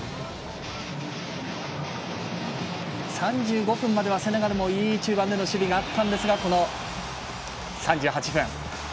３５分まではセネガルも中盤でのいい守備があったんですがこの３８分。